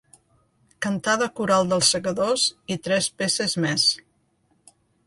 Cantada coral dels segadors i tres peces més.